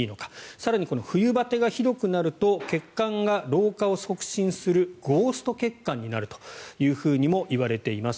更に、冬バテがひどくなると血管が老化を促進するゴースト血管になるというふうにもいわれています。